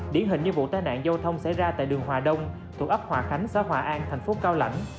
điển hình như vụ tai nạn giao thông xảy ra tại đường hòa đông thuộc ấp hòa khánh xã hòa an thành phố cao lãnh